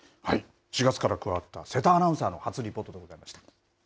４月から加わった瀬田アナウンサーの初リポートでございました。